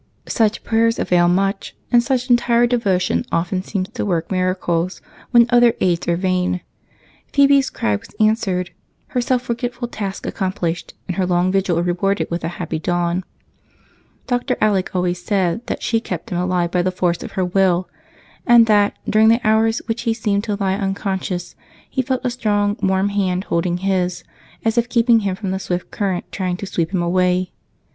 Such prayers avail much, and such entire devotion often seems to work miracles when other aids are in vain. Phebe's cry was answered, her self forgetful task accomplished, and her long vigil rewarded with a happy dawn. Dr. Alec always said that she kept him alive by the force of her will, and that, during the hours when he seemed to lie unconscious, he felt a strong, warm hand holding his, as if keeping him away from the swift current trying to sweep him away.